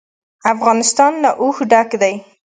افغانستان له اوښ ډک دی.